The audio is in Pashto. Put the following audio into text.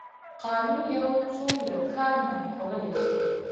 قانون یو څوک له کار منع کولی شي.